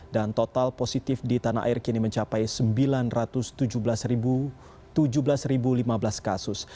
dan total positif di tanah air kini mencapai sembilan ratus tujuh belas lima belas kasus